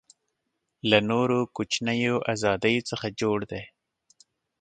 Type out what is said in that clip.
له نورو کوچنیو آزادیو څخه جوړ دی.